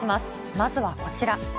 まずはこちら。